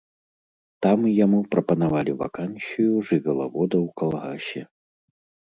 Там яму прапанавалі вакансію жывёлавода ў калгасе.